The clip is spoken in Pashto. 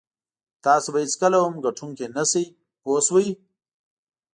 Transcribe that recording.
تاسو به هېڅکله هم ګټونکی نه شئ پوه شوې!.